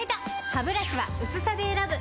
ハブラシは薄さで選ぶ！